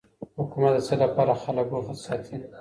حکومت د څه لپاره خلګ بوخت ساتي؟